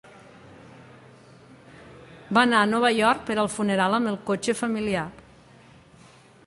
Va anar a Nova York per al funeral amb el cotxe familiar.